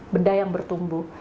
benda yang bertumbuh